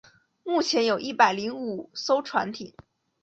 目前有一百零五艘船艇。